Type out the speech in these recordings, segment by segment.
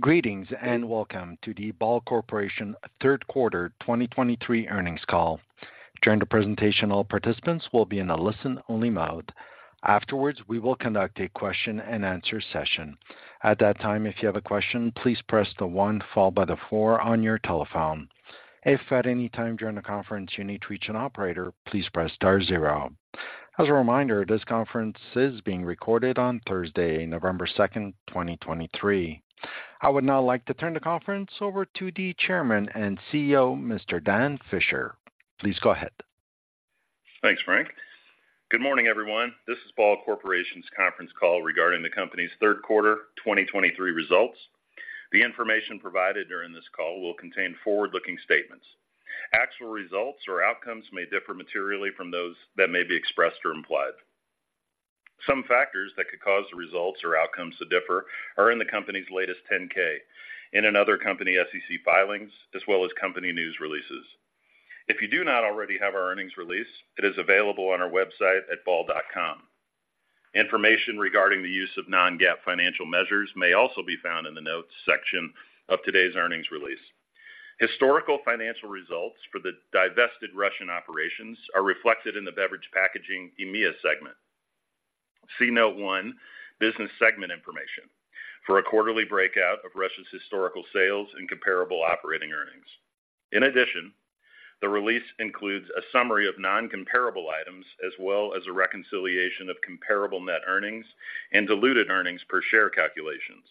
Greetings, and welcome to the Ball Corporation Third Quarter 2023 earnings call. During the presentation, all participants will be in a listen-only mode. Afterwards, we will conduct a question-and-answer session. At that time, if you have a question, please press the one followed by the four on your telephone. If at any time during the conference you need to reach an operator, please press star zero. As a reminder, this conference is being recorded on Thursday, November 2, 2023. I would now like to turn the conference over to the Chairman and CEO, Mr. Dan Fisher. Please go ahead. Thanks, Frank. Good morning, everyone. This is Ball Corporation's conference call regarding the company's third quarter 2023 results. The information provided during this call will contain forward-looking statements. Actual results or outcomes may differ materially from those that may be expressed or implied. Some factors that could cause the results or outcomes to differ are in the company's latest 10-K and in other company SEC filings, as well as company news releases. If you do not already have our earnings release, it is available on our website at ball.com. Information regarding the use of non-GAAP financial measures may also be found in the notes section of today's earnings release. Historical financial results for the divested Russian operations are reflected in the beverage packaging EMEA segment. See note one, business segment information, for a quarterly breakout of Russia's historical sales and comparable operating earnings. In addition, the release includes a summary of non-comparable items, as well as a reconciliation of comparable net earnings and diluted earnings per share calculations.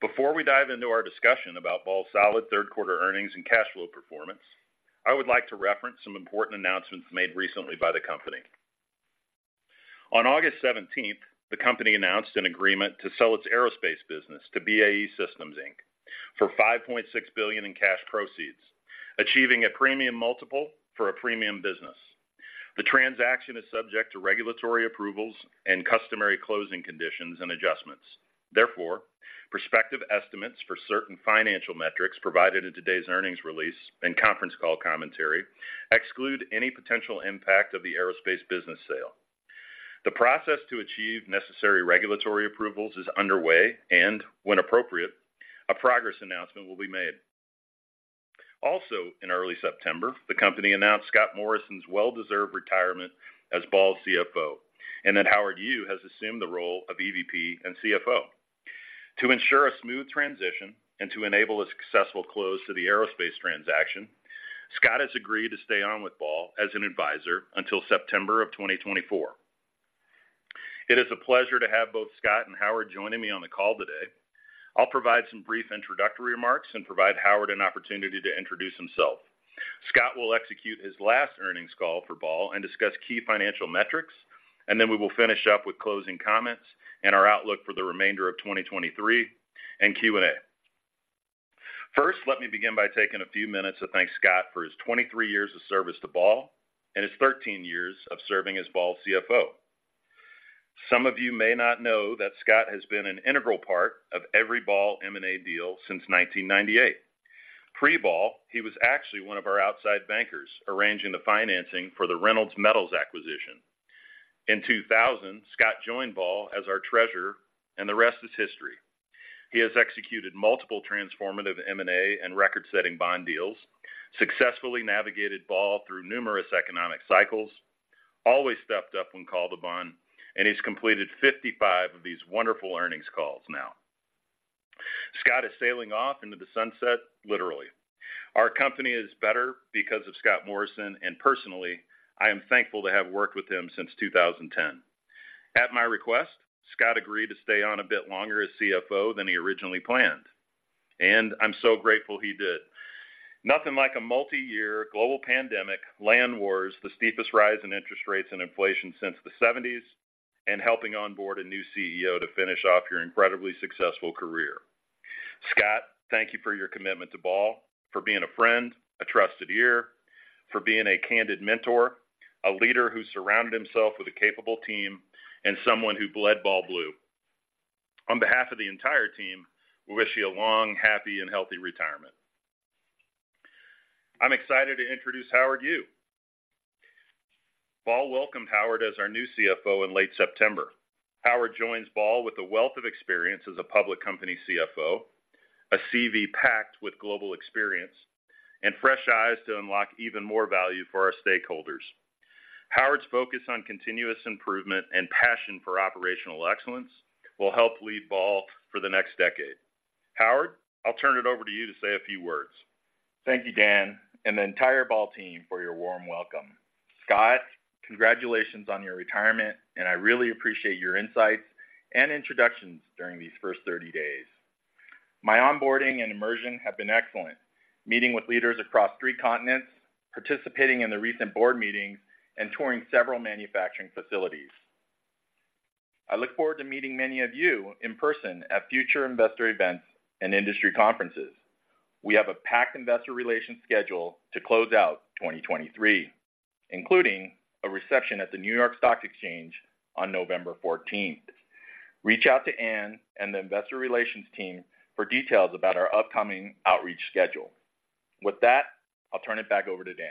Before we dive into our discussion about Ball's solid third quarter earnings and cash flow performance, I would like to reference some important announcements made recently by the company. On August 17th, the company announced an agreement to sell its aerospace business to BAE Systems, Inc for $5.6 billion in cash proceeds, achieving a premium multiple for a premium business. The transaction is subject to regulatory approvals and customary closing conditions and adjustments. Therefore, prospective estimates for certain financial metrics provided in today's earnings release and conference call commentary exclude any potential impact of the aerospace business sale. The process to achieve necessary regulatory approvals is underway, and when appropriate, a progress announcement will be made. Also, in early September, the company announced Scott Morrison's well-deserved retirement as Ball's CFO, and that Howard Yu has assumed the role of EVP and CFO. To ensure a smooth transition and to enable a successful close to the aerospace transaction, Scott has agreed to stay on with Ball as an advisor until September of 2024. It is a pleasure to have both Scott and Howard joining me on the call today. I'll provide some brief introductory remarks and provide Howard an opportunity to introduce himself. Scott will execute his last earnings call for Ball and discuss key financial metrics, and then we will finish up with closing comments and our outlook for the remainder of 2023 and Q&A. First, let me begin by taking a few minutes to thank Scott for his 23 years of service to Ball and his 13 years of serving as Ball's CFO. Some of you may not know that Scott has been an integral part of every Ball M&A deal since 1998. Pre-Ball, he was actually one of our outside bankers, arranging the financing for the Reynolds Metals acquisition. In 2000, Scott joined Ball as our Treasurer, and the rest is history. He has executed multiple transformative M&A and record-setting bond deals, successfully navigated Ball through numerous economic cycles, always stepped up when called upon, and he's completed 55 of these wonderful earnings calls now. Scott is sailing off into the sunset, literally. Our company is better because of Scott Morrison, and personally, I am thankful to have worked with him since 2010. At my request, Scott agreed to stay on a bit longer as CFO than he originally planned, and I'm so grateful he did. Nothing like a multi-year global pandemic, land wars, the steepest rise in interest rates and inflation since the 70s, and helping onboard a new CEO to finish off your incredibly successful career. Scott, thank you for your commitment to Ball, for being a friend, a trusted ear, for being a candid mentor, a leader who surrounded himself with a capable team, and someone who bled Ball blue. On behalf of the entire team, we wish you a long, happy, and healthy retirement. I'm excited to introduce Howard Yu. Ball welcomed Howard as our new CFO in late September. Howard joins Ball with a wealth of experience as a public company CFO, a CV packed with global experience, and fresh eyes to unlock even more value for our stakeholders. Howard's focus on continuous improvement and passion for operational excellence will help lead Ball for the next decade. Howard, I'll turn it over to you to say a few words. Thank you, Dan, and the entire Ball team for your warm welcome. Scott, congratulations on your retirement, and I really appreciate your insights and introductions during these first 30 days. My onboarding and immersion have been excellent, meeting with leaders across three continents, participating in the recent board meetings, and touring several manufacturing facilities. I look forward to meeting many of you in person at future investor events and industry conferences. We have a packed investor relations schedule to close out 2023, including a reception at the New York Stock Exchange on November 14. Reach out to Ann and the investor relations team for details about our upcoming outreach schedule. With that, I'll turn it back over to Dan.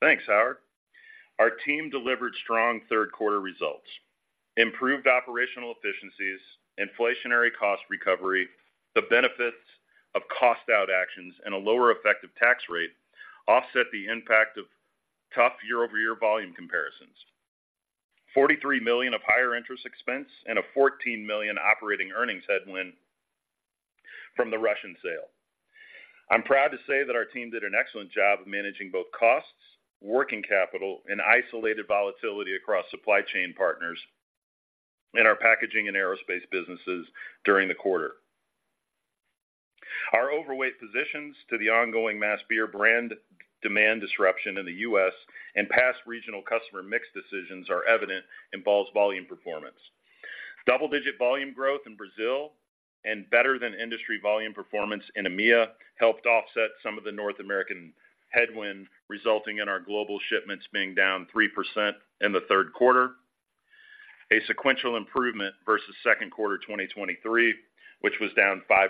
Thanks, Howard. Our team delivered strong third quarter results, improved operational efficiencies, inflationary cost recovery, the benefits of cost-out actions, and a lower effective tax rate offset the impact of tough year-over-year volume comparisons, $43 million of higher interest expense, and a $14 million operating earnings headwind from the Russian sale. I'm proud to say that our team did an excellent job of managing both costs, working capital, and isolated volatility across supply chain partners in our packaging and aerospace businesses during the quarter. Our overweight positions to the ongoing mass beer brand demand disruption in the U.S. and past regional customer mix decisions are evident in Ball's volume performance. Double-digit volume growth in Brazil and better than industry volume performance in EMEA helped offset some of the North American headwind, resulting in our global shipments being down 3% in the third quarter, a sequential improvement versus second quarter 2023, which was down 5%.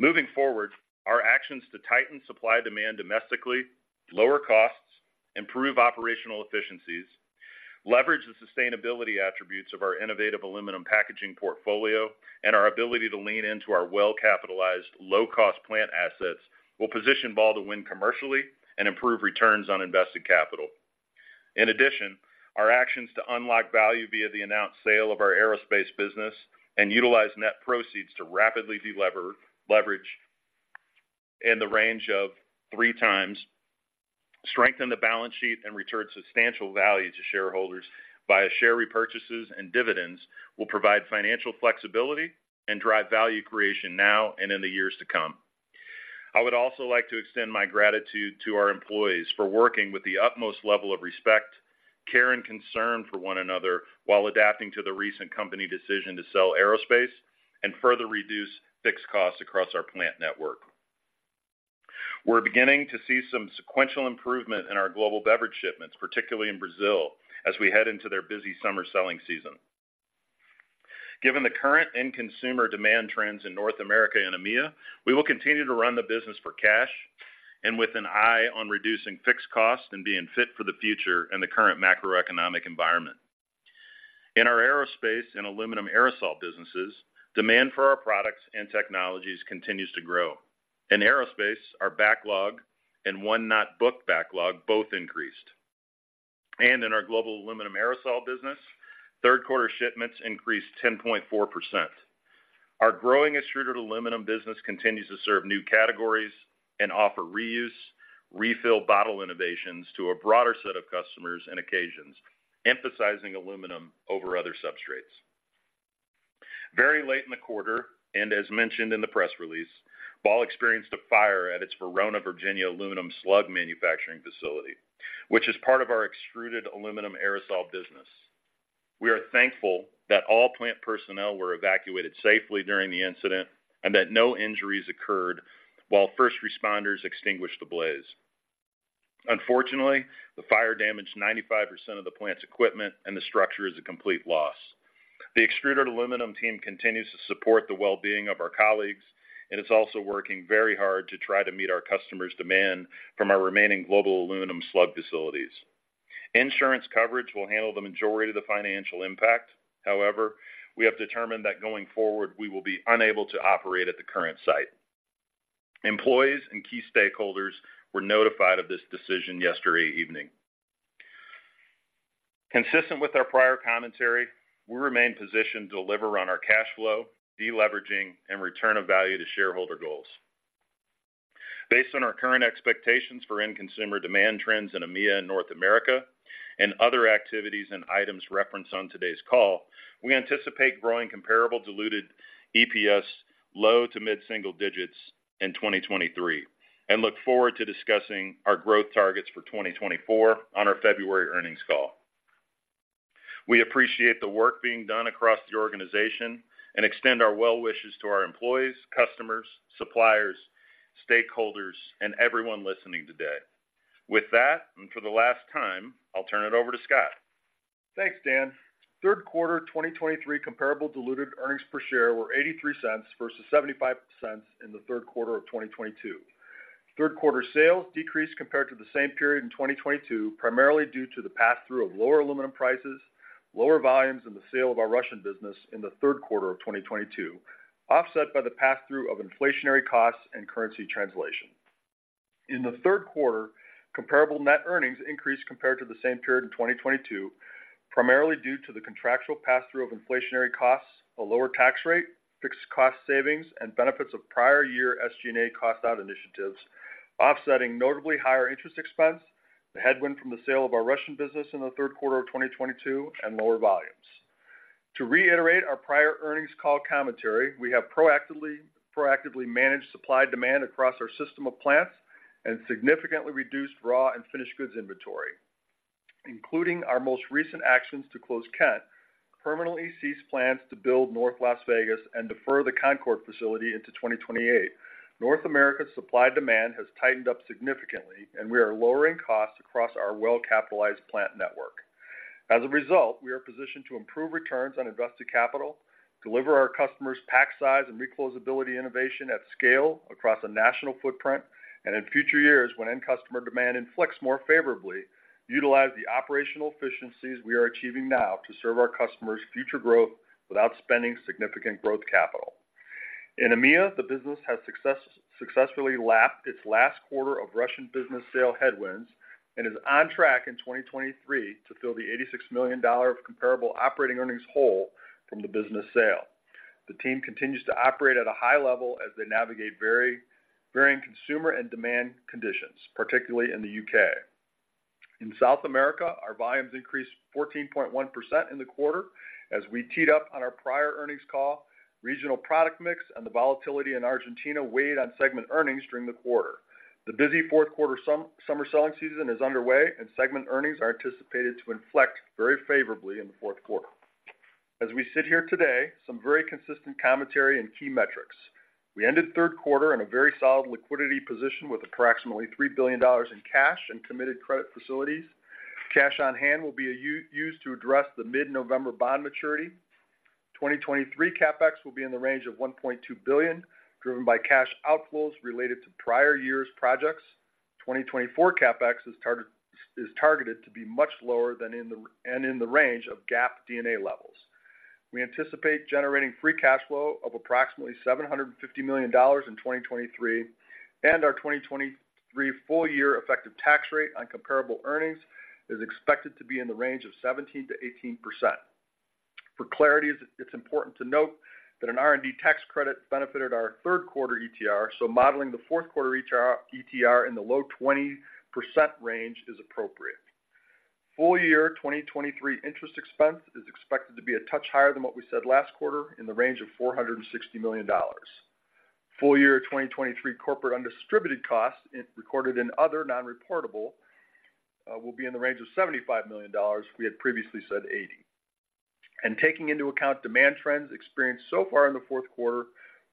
Moving forward, our actions to tighten supply demand domestically, lower costs, improve operational efficiencies, leverage the sustainability attributes of our innovative aluminum packaging portfolio, and our ability to lean into our well-capitalized, low-cost plant assets, will position Ball to win commercially and improve returns on invested capital. In addition, our actions to unlock value via the announced sale of our aerospace business and utilize net proceeds to rapidly delever to leverage in the range of 3x, strengthen the balance sheet, and return substantial value to shareholders via share repurchases and dividends, will provide financial flexibility and drive value creation now and in the years to come. I would also like to extend my gratitude to our employees for working with the utmost level of respect, care, and concern for one another while adapting to the recent company decision to sell aerospace and further reduce fixed costs across our plant network. We're beginning to see some sequential improvement in our global beverage shipments, particularly in Brazil, as we head into their busy summer selling season. Given the current end consumer demand trends in North America and EMEA, we will continue to run the business for cash and with an eye on reducing fixed costs and being fit for the future in the current macroeconomic environment. In our aerospace and aluminum aerosol businesses, demand for our products and technologies continues to grow. In aerospace, our backlog and not booked backlog both increased. In our global aluminum aerosol business, third quarter shipments increased 10.4%. Our growing extruded aluminum business continues to serve new categories and offer reuse, refill bottle innovations to a broader set of customers and occasions, emphasizing aluminum over other substrates. Very late in the quarter, and as mentioned in the press release, Ball experienced a fire at its Verona, Virginia, aluminum slug manufacturing facility, which is part of our extruded aluminum aerosol business. We are thankful that all plant personnel were evacuated safely during the incident and that no injuries occurred while first responders extinguished the blaze. Unfortunately, the fire damaged 95% of the plant's equipment, and the structure is a complete loss. The extruded aluminum team continues to support the well-being of our colleagues, and it's also working very hard to try to meet our customers' demand from our remaining global aluminum slug facilities. Insurance coverage will handle the majority of the financial impact. However, we have determined that going forward, we will be unable to operate at the current site. Employees and key stakeholders were notified of this decision yesterday evening. Consistent with our prior commentary, we remain positioned to deliver on our cash flow, deleveraging, and return of value to shareholder goals. Based on our current expectations for end consumer demand trends in EMEA and North America, and other activities and items referenced on today's call, we anticipate growing comparable diluted EPS low to mid-single digits in 2023, and look forward to discussing our growth targets for 2024 on our February earnings call. We appreciate the work being done across the organization and extend our well wishes to our employees, customers, suppliers, stakeholders, and everyone listening today. With that, and for the last time, I'll turn it over to Scott. Thanks, Dan. Third quarter 2023 comparable diluted earnings per share were $0.83 versus $0.75 in the third quarter of 2022. Third quarter sales decreased compared to the same period in 2022, primarily due to the pass-through of lower aluminum prices, lower volumes, and the sale of our Russian business in the third quarter of 2022, offset by the pass-through of inflationary costs and currency translation. In the third quarter, comparable net earnings increased compared to the same period in 2022, primarily due to the contractual pass-through of inflationary costs, a lower tax rate, fixed cost savings, and benefits of prior year SG&A cost-out initiatives, offsetting notably higher interest expense, the headwind from the sale of our Russian business in the third quarter of 2022, and lower volumes. To reiterate our prior earnings call commentary, we have proactively, proactively managed supply demand across our system of plants and significantly reduced raw and finished goods inventory, including our most recent actions to close Kent, permanently cease plans to build North Las Vegas, and defer the Concord facility into 2028. North America's supply demand has tightened up significantly, and we are lowering costs across our well-capitalized plant network. As a result, we are positioned to improve returns on invested capital, deliver our customers pack size and recloseability innovation at scale across a national footprint, and in future years, when end customer demand inflects more favorably, utilize the operational efficiencies we are achieving now to serve our customers' future growth without spending significant growth capital. In EMEA, the business has successfully lapped its last quarter of Russian business sale headwinds and is on track in 2023 to fill the $86 million comparable operating earnings hole from the business sale. The team continues to operate at a high level as they navigate varying consumer and demand conditions, particularly in the U.K. In South America, our volumes increased 14.1% in the quarter. As we teed up on our prior earnings call, regional product mix and the volatility in Argentina weighed on segment earnings during the quarter. The busy fourth quarter summer selling season is underway, and segment earnings are anticipated to inflect very favorably in the fourth quarter. As we sit here today, some very consistent commentary and key metrics. We ended the third quarter in a very solid liquidity position with approximately $3 billion in cash and committed credit facilities. Cash on hand will be used to address the mid-November bond maturity. 2023 CapEx will be in the range of $1.2 billion, driven by cash outflows related to prior years' projects. 2024 CapEx is targeted to be much lower than in the, and in the range of GAAP D&A levels. We anticipate generating free cash flow of approximately $750 million in 2023, and our 2023 full-year effective tax rate on comparable earnings is expected to be in the range of 17%-18%. For clarity, it's important to note that an R&D tax credit benefited our third quarter ETR, so modeling the fourth quarter ETR in the low-20% range is appropriate. Full year 2023 interest expense is expected to be a touch higher than what we said last quarter, in the range of $460 million. Full year 2023 corporate undistributed costs, recorded in other non-reportable, will be in the range of $75 million. We had previously said $80 million. And taking into account demand trends experienced so far in the fourth quarter,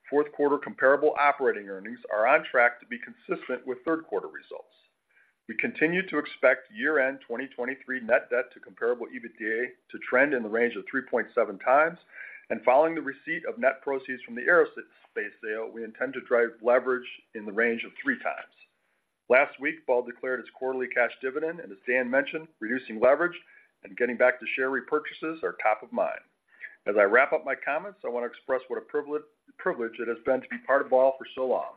fourth quarter comparable operating earnings are on track to be consistent with third quarter results. We continue to expect year-end 2023 net debt to comparable EBITDA to trend in the range of 3.7x, and following the receipt of net proceeds from the aerospace sale, we intend to drive leverage in the range of 3x. Last week, Ball declared its quarterly cash dividend, and as Dan mentioned, reducing leverage and getting back to share repurchases are top of mind. As I wrap up my comments, I want to express what a privilege, privilege it has been to be part of Ball for so long.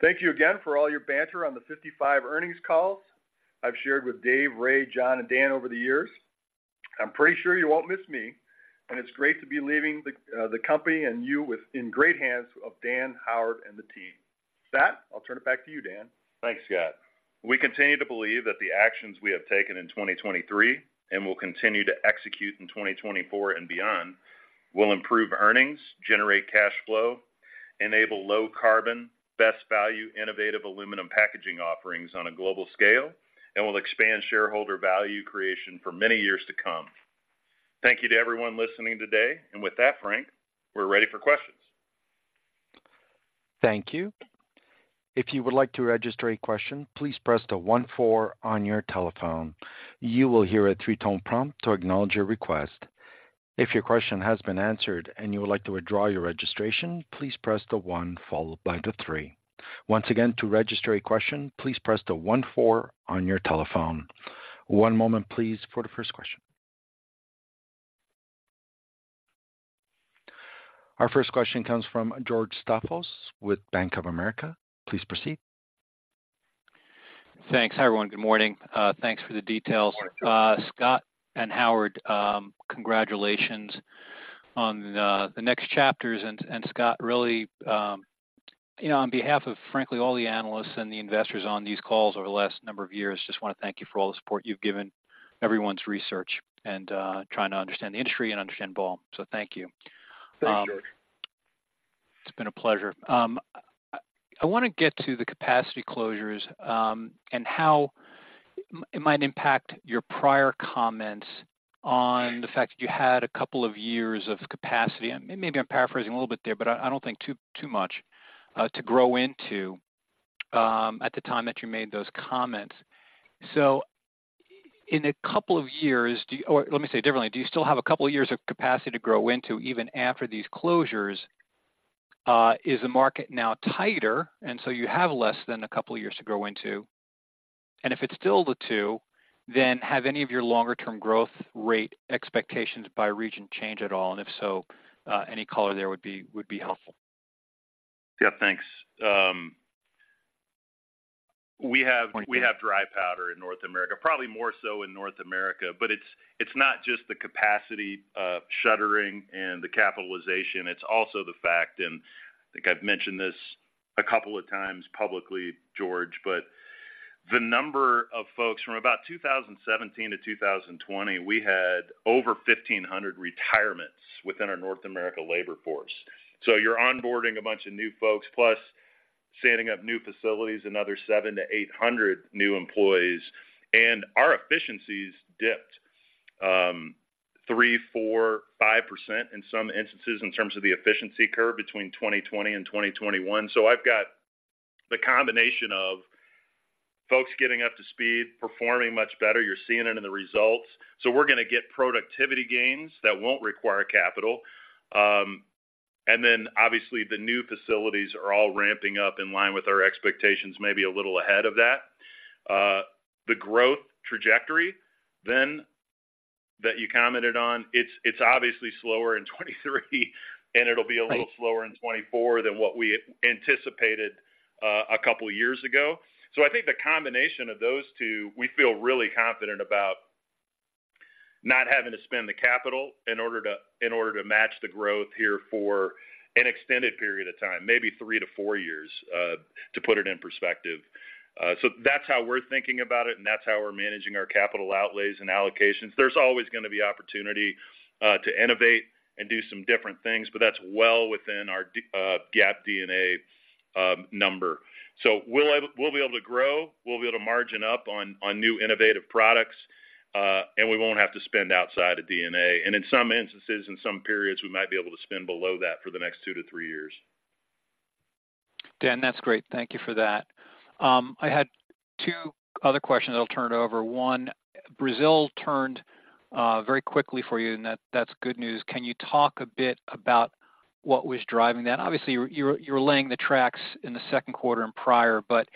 Thank you again for all your banter on the 55 earnings calls I've shared with Dave, Ray, John, and Dan over the years. I'm pretty sure you won't miss me, and it's great to be leaving the company and you in great hands of Dan, Howard, and the team. With that, I'll turn it back to you, Dan. Thanks, Scott. We continue to believe that the actions we have taken in 2023, and will continue to execute in 2024 and beyond, will improve earnings, generate cash flow, enable low carbon, best value, innovative aluminum packaging offerings on a global scale, and will expand shareholder value creation for many years to come. Thank you to everyone listening today. With that, Frank, we're ready for questions. Thank you. If you would like to register a question, please press the one four on your telephone. You will hear a three-tone prompt to acknowledge your request. If your question has been answered and you would like to withdraw your registration, please press the one followed by the three. Once again, to register a question, please press the one four on your telephone. One moment, please, for the first question. Our first question comes from George Staphos with Bank of America. Please proceed. Thanks. Hi, everyone. Good morning. Thanks for the details. Good morning, George. Scott and Howard, congratulations on the next chapters. Scott, really, you know, on behalf of, frankly, all the analysts and the investors on these calls over the last number of years, just want to thank you for all the support you've given everyone's research and trying to understand the industry and understand Ball. So thank you. Thanks, George. It's been a pleasure. I wanna get to the capacity closures, and how it might impact your prior comments on the fact that you had a couple of years of capacity. Maybe I'm paraphrasing a little bit there, but I don't think too much to grow into, at the time that you made those comments. So in a couple of years, do you... Or let me say it differently: Do you still have a couple of years of capacity to grow into even after these closures? Is the market now tighter, and so you have less than a couple of years to grow into? And if it's still the two, then have any of your longer-term growth rate expectations by region changed at all? And if so, any color there would be helpful. Yeah, thanks. We have, we have dry powder in North America, probably more so in North America, but it's, it's not just the capacity shuttering and the capitalization, it's also the fact, and I think I've mentioned this a couple of times publicly, George, but the number of folks from about 2017-2020, we had over 1,500 retirements within our North America labor force. So you're onboarding a bunch of new folks, plus standing up new facilities, another 700-800 new employees, and our efficiencies dipped 3%, 4%, 5% in some instances, in terms of the efficiency curve between 2020 and 2021. So I've got the combination of folks getting up to speed, performing much better. You're seeing it in the results. So we're gonna get productivity gains that won't require capital. And then obviously, the new facilities are all ramping up in line with our expectations, maybe a little ahead of that. The growth trajectory then, that you commented on, it's obviously slower in 2023, and it'll be a little slower in 2024 than what we anticipated, a couple of years ago. So I think the combination of those two, we feel really confident about not having to spend the capital in order to match the growth here for an extended period of time, maybe three to four years, to put it in perspective. So that's how we're thinking about it, and that's how we're managing our capital outlays and allocations. There's always gonna be opportunity to innovate and do some different things, but that's well within our GAAP D&A, number. We'll be able to grow, we'll be able to margin up on new innovative products, and we won't have to spend outside of D&A. In some instances, in some periods, we might be able to spend below that for the next two to three years. Dan, that's great. Thank you for that. I had two other questions I'll turn it over. One, Brazil turned very quickly for you, and that's good news. Can you talk a bit about what was driving that? Obviously, you're laying the tracks in the second quarter and prior, but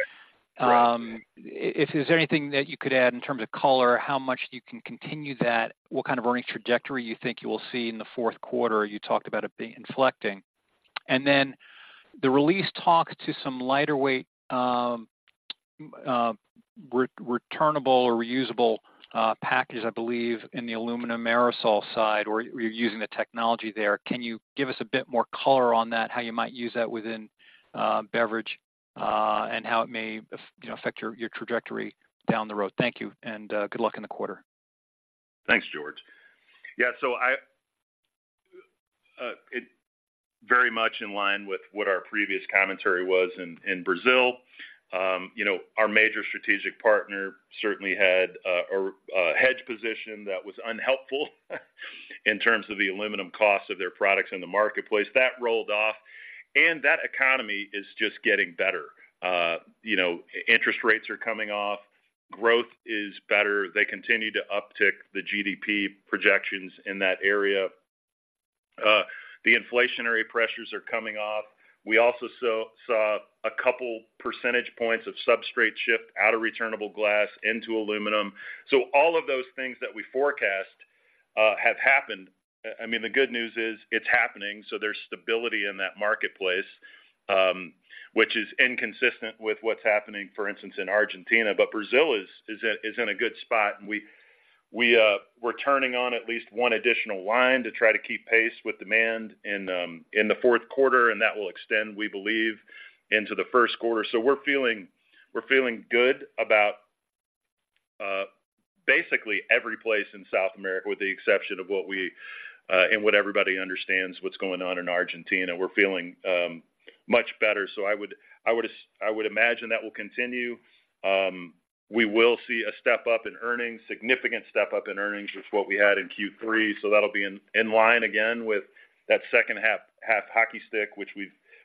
if there's anything that you could add in terms of color, how much you can continue that? What kind of earnings trajectory you think you will see in the fourth quarter? You talked about it inflecting. And then the release talked to some lighter weight returnable or reusable packages, I believe, in the aluminum aerosol side, or you're using the technology there. Can you give us a bit more color on that, how you might use that within beverage, and how it may you know, affect your trajectory down the road? Thank you, and good luck in the quarter. Thanks, George. Yeah, so it very much in line with what our previous commentary was in, in Brazil. You know, our major strategic partner certainly had a hedge position that was unhelpful, in terms of the aluminum cost of their products in the marketplace. That rolled off, and that economy is just getting better. You know, interest rates are coming off, growth is better. They continue to uptick the GDP projections in that area. The inflationary pressures are coming off. We also saw a couple percentage points of substrate shift out of returnable glass into aluminum. So all of those things that we forecast have happened. I mean, the good news is it's happening, so there's stability in that marketplace, which is inconsistent with what's happening, for instance, in Argentina. But Brazil is in a good spot, and we're turning on at least one additional line to try to keep pace with demand in the fourth quarter, and that will extend, we believe, into the first quarter. So we're feeling good about basically every place in South America, with the exception of what everybody understands, what's going on in Argentina. We're feeling much better. So I would imagine that will continue. We will see a step up in earnings, significant step up in earnings with what we had in Q3, so that'll be in line again with that second half hockey stick, which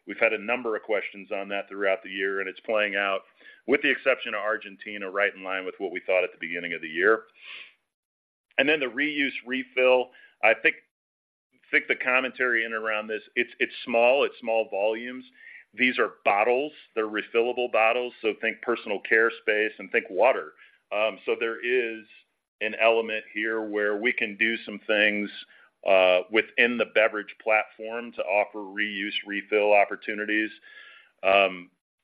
we've had a number of questions on that throughout the year, and it's playing out, with the exception of Argentina, right in line with what we thought at the beginning of the year. And then the reuse/refill. I think the commentary in around this, it's small volumes. These are bottles. They're refillable bottles, so think personal care space and think water. So there is an element here where we can do some things within the beverage platform to offer reuse/refill opportunities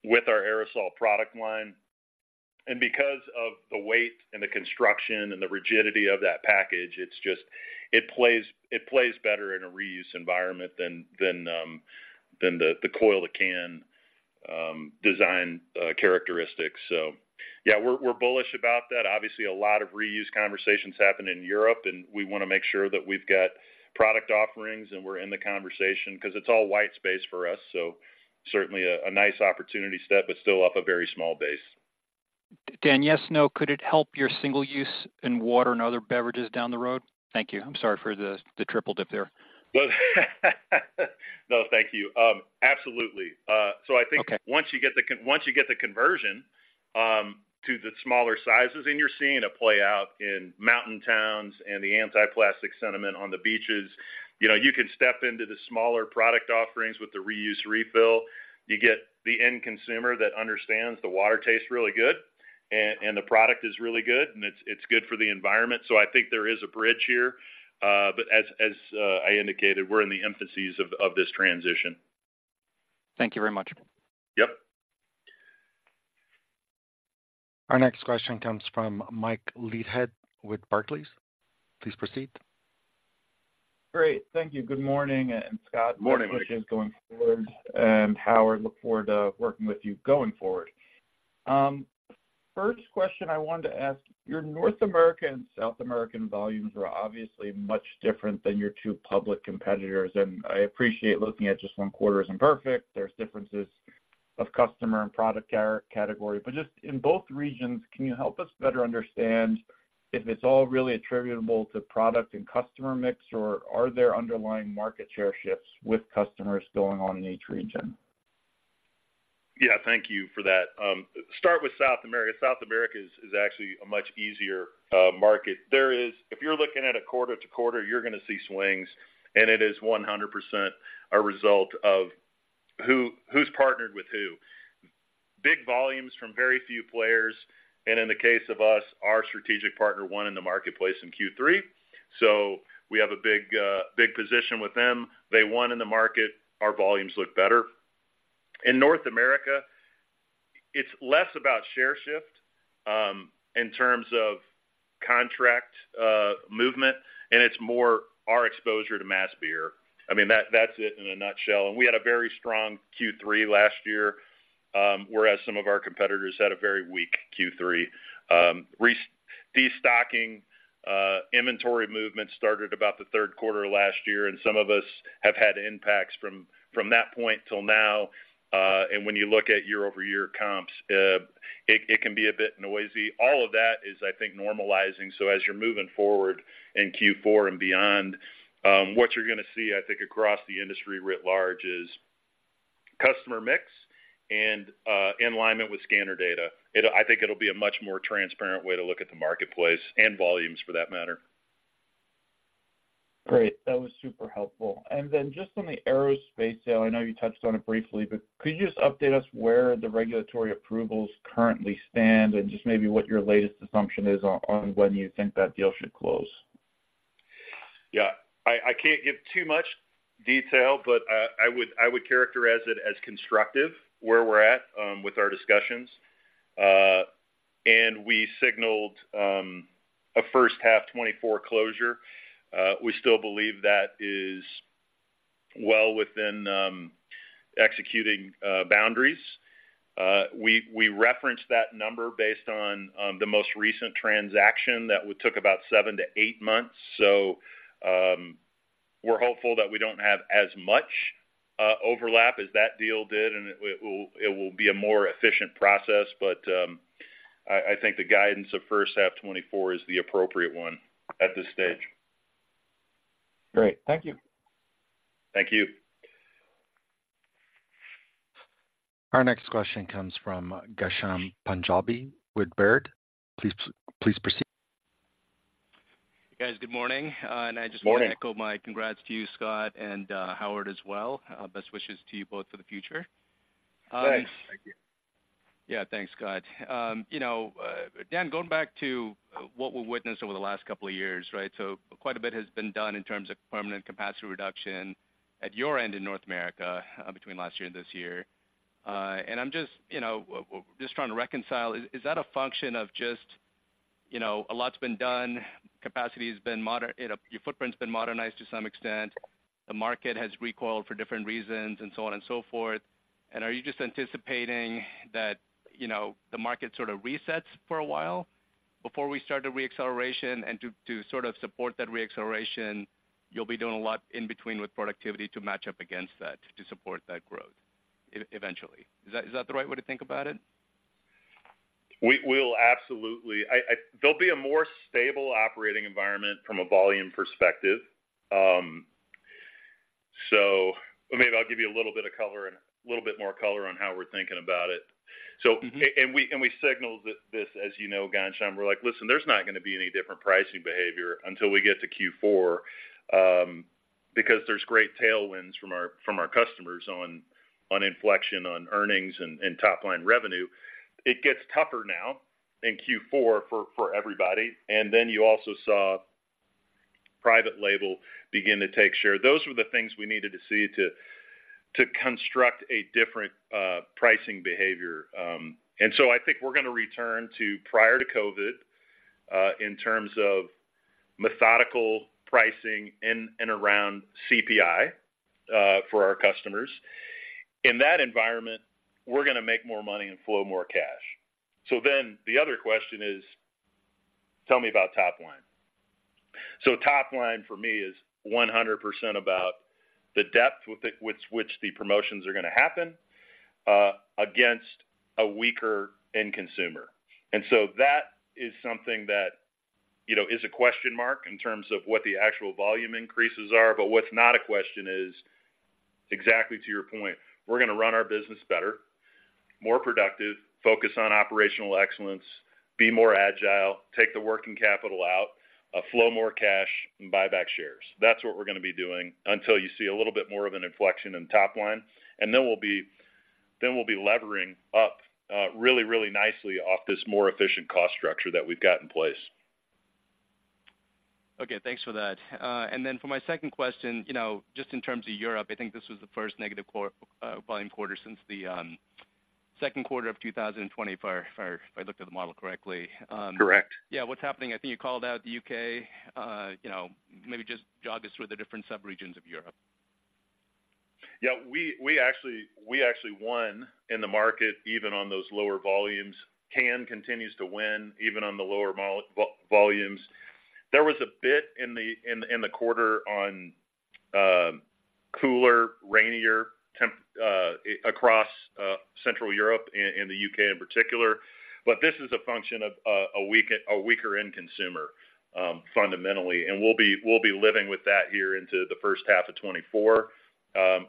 with our aerosol product line. Because of the weight and the construction and the rigidity of that package, it's just it plays, it plays better in a reuse environment than the coil-to-can design characteristics. So yeah, we're, we're bullish about that. Obviously, a lot of reuse conversations happen in Europe, and we wanna make sure that we've got product offerings, and we're in the conversation because it's all white space for us, so certainly a nice opportunity, but still off a very small base. Dan, yes, no, could it help your single-use in water and other beverages down the road? Thank you. I'm sorry for the triple dip there. No, thank you. Absolutely. So I think once you get the conversion to the smaller sizes, and you're seeing it play out in mountain towns and the anti-plastic sentiment on the beaches, you know, you can step into the smaller product offerings with the reuse/refill. You get the end consumer that understands the water tastes really good, and the product is really good, and it's good for the environment. So I think there is a bridge here, but as I indicated, we're in the midst of this transition. Thank you very much. Yep. Our next question comes from Mike Leithead with Barclays. Please proceed. Great. Thank you. Good morning, and Scott- Good morning. Thanks for going forward, and Howard, look forward to working with you going forward. First question I wanted to ask, your North American and South American volumes are obviously much different than your two public competitors, and I appreciate looking at just one quarter isn't perfect. There's differences of customer and product category. But just in both regions, can you help us better understand if it's all really attributable to product and customer mix, or are there underlying market share shifts with customers going on in each region? Yeah, thank you for that. Start with South America. South America is actually a much easier market. There is. If you're looking at a quarter to quarter, you're gonna see swings, and it is 100% a result of who's partnered with who. Big volumes from very few players, and in the case of us, our strategic partner won in the marketplace in Q3. So we have a big position with them. They won in the market. Our volumes look better. In North America, it's less about share shift in terms of contract movement, and it's more our exposure to mass beer. I mean, that's it in a nutshell. And we had a very strong Q3 last year, whereas some of our competitors had a very weak Q3. Regarding destocking, inventory movement started about the third quarter last year, and some of us have had impacts from that point till now. And when you look at year-over-year comps, it can be a bit noisy. All of that is, I think, normalizing. So as you're moving forward in Q4 and beyond, what you're gonna see, I think, across the industry writ large, is customer mix and in alignment with scanner data. I think it'll be a much more transparent way to look at the marketplace and volumes, for that matter. Great, that was super helpful. And then just on the aerospace sale, I know you touched on it briefly, but could you just update us where the regulatory approvals currently stand and just maybe what your latest assumption is on when you think that deal should close? Yeah. I can't give too much detail, but I would characterize it as constructive, where we're at with our discussions. And we signaled a first half 2024 closure. We still believe that is well within executing boundaries. We referenced that number based on the most recent transaction that took about seven to eight months. So, we're hopeful that we don't have as much overlap as that deal did, and it will be a more efficient process. But I think the guidance of first half 2024 is the appropriate one at this stage. Great. Thank you. Thank you. Our next question comes from Ghansham Panjabi with Baird. Please, please proceed. Guys, good morning, and I just- Morning... want to echo my congrats to you, Scott, and, Howard as well. Best wishes to you both for the future. Thanks. Yeah, thanks, Scott. You know, Dan, going back to what we've witnessed over the last couple of years, right? So quite a bit has been done in terms of permanent capacity reduction at your end in North America, between last year and this year. And I'm just, you know, just trying to reconcile. Is, is that a function of just, you know, a lot's been done, your footprint has been modernized to some extent, the market has recoiled for different reasons and so on and so forth. And are you just anticipating that, you know, the market sort of resets for a while before we start the reacceleration and to, to sort of support that reacceleration, you'll be doing a lot in between with productivity to match up against that, to support that growth eventually? Is that, is that the right way to think about it? We'll absolutely. There'll be a more stable operating environment from a volume perspective. So maybe I'll give you a little bit of color, and a little bit more color on how we're thinking about it. Mm-hmm. So, and we signaled this, as you know, Ghansham, we're like: Listen, there's not going to be any different pricing behavior until we get to Q4, because there's great tailwinds from our customers on inflection, on earnings and top-line revenue. It gets tougher now in Q4 for everybody. And then you also saw private label begin to take share. Those were the things we needed to see to construct a different pricing behavior. And so I think we're gonna return to prior to COVID in terms of methodical pricing in and around CPI for our customers. In that environment, we're gonna make more money and flow more cash. So then the other question is, tell me about top line. So top line, for me, is 100% about the depth with which the promotions are gonna happen against a weaker end consumer. And so that is something that, you know, is a question mark in terms of what the actual volume increases are. But what's not a question is, exactly to your point, we're gonna run our business better, more productive, focus on operational excellence, be more agile, take the working capital out, flow more cash, and buy back shares. That's what we're gonna be doing until you see a little bit more of an inflection in top line. And then we'll be levering up really, really nicely off this more efficient cost structure that we've got in place. Okay, thanks for that. And then for my second question, you know, just in terms of Europe, I think this was the first negative volume quarter since the second quarter of 2020, if I looked at the model correctly. Correct. Yeah, what's happening? I think you called out the U.K., you know, maybe just jog us with the different subregions of Europe. Yeah, we actually won in the market, even on those lower volumes. Cans continues to win, even on the lower volumes. There was a bit in the quarter on cooler, rainier temperatures across Central Europe and the U.K. in particular. But this is a function of a weaker end consumer fundamentally, and we'll be living with that here into the first half of 2024.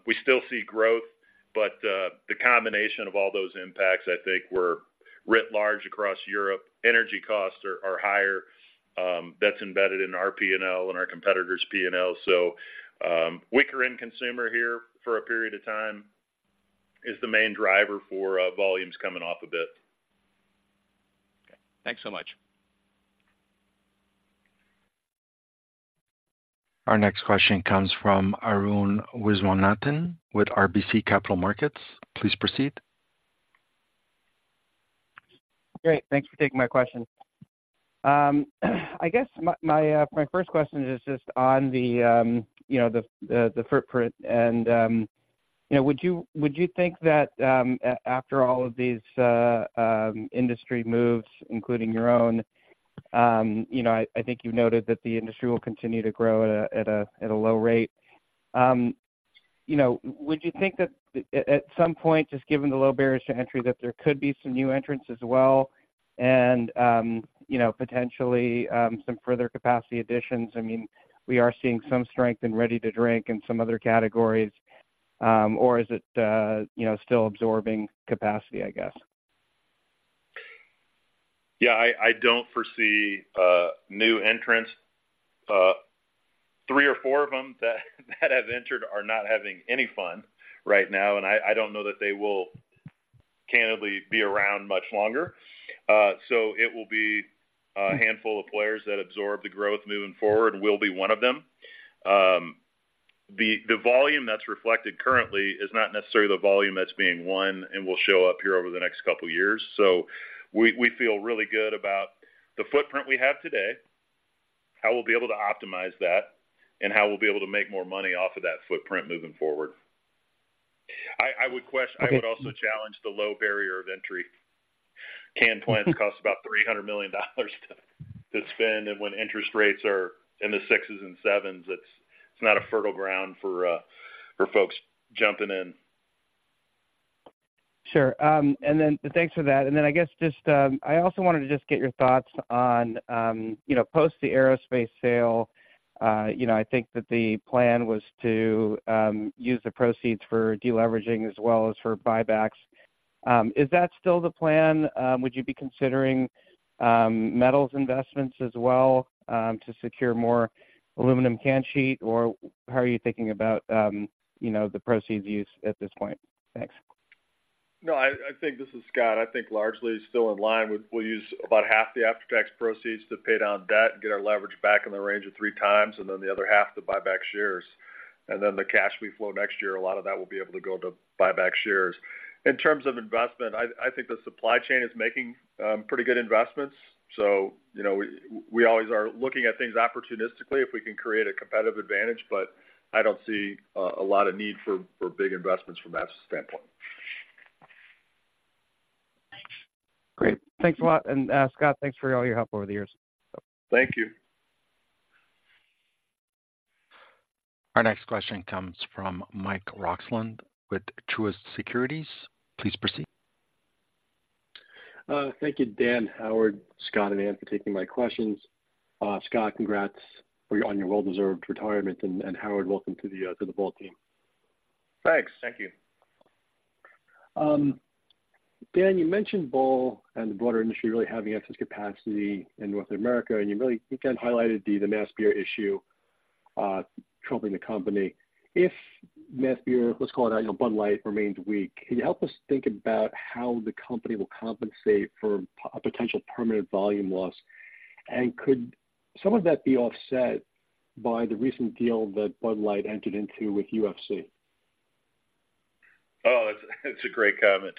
We still see growth, but the combination of all those impacts, I think, were writ large across Europe. Energy costs are higher, that's embedded in our P&L and our competitors' P&L. So, weaker end consumer here for a period of time is the main driver for volumes coming off a bit. Okay. Thanks so much. Our next question comes from Arun Viswanathan with RBC Capital Markets. Please proceed. Great. Thanks for taking my question. I guess my, my, my first question is just on the, you know, the, the, the footprint and, you know, would you, would you think that, after all of these, industry moves, including your own, you know, I, I think you noted that the industry will continue to grow at a, at a, at a low rate. You know, would you think that at, at some point, just given the low barriers to entry, that there could be some new entrants as well, and, you know, potentially, some further capacity additions? I mean, we are seeing some strength in ready-to-drink in some other categories, or is it, you know, still absorbing capacity, I guess? Yeah, I don't foresee new entrants. Three or four of them that have entered are not having any fun right now, and I don't know that they will candidly be around much longer. So it will be a handful of players that absorb the growth moving forward. We'll be one of them. The volume that's reflected currently is not necessarily the volume that's being won and will show up here over the next couple of years. So we feel really good about the footprint we have today, how we'll be able to optimize that, and how we'll be able to make more money off of that footprint moving forward. I would quest- Okay. I would also challenge the low barrier of entry. Canned plants cost about $300 million to spend, and when interest rates are in the 6s and 7s, it's not a fertile ground for folks jumping in. Sure. And then, thanks for that. And then I guess, just, I also wanted to just get your thoughts on, you know, post the aerospace sale. You know, I think that the plan was to use the proceeds for deleveraging as well as for buybacks. Is that still the plan? Would you be considering metals investments as well to secure more aluminum can sheet, or how are you thinking about, you know, the proceeds use at this point? Thanks. No, I think. This is Scott. I think largely still in line with we'll use about half the after-tax proceeds to pay down debt and get our leverage back in the range of 3x, and then the other half to buy back shares. And then the cash we flow next year, a lot of that will be able to go to buy back shares. In terms of investment, I think the supply chain is making pretty good investments. So you know, we always are looking at things opportunistically if we can create a competitive advantage, but I don't see a lot of need for big investments from that standpoint. Great. Thanks a lot. Scott, thanks for all your help over the years. Thank you. Our next question comes from Mike Roxland with Truist Securities. Please proceed. Thank you, Dan, Howard, Scott and Ann, for taking my questions. Scott, congrats on your well-deserved retirement, and Howard, welcome to the Ball team. Thanks. Thank you. Dan, you mentioned Ball and the broader industry really having excess capacity in North America, and you really, again, highlighted the mass beer issue troubling the company. If mass beer, let's call it, you know, Bud Light, remains weak, can you help us think about how the company will compensate for a potential permanent volume loss? And could some of that be offset by the recent deal that Bud Light entered into with UFC? Oh, that's a great comment.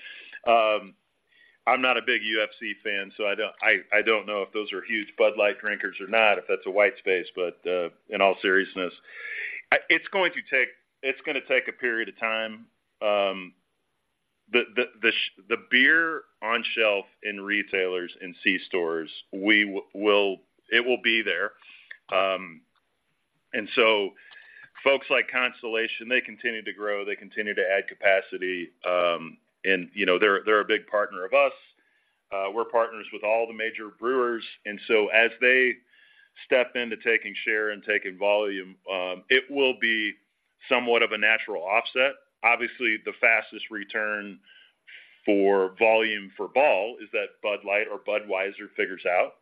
I'm not a big UFC fan, so I don't know if those are huge Bud Light drinkers or not, if that's a white space. But, in all seriousness, it's going to take, it's gonna take a period of time. The beer on shelf in retailers and C-stores, it will be there. And so folks like Constellation, they continue to grow, they continue to add capacity, and, you know, they're a big partner of us. We're partners with all the major brewers, and so as they step into taking share and taking volume, it will be somewhat of a natural offset. Obviously, the fastest return for volume for Ball is that Bud Light or Budweiser figures out